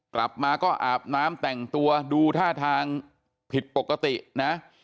กลับมาก็อาบน้ำแต่งตัวดูท่าทางผิดปกตินะ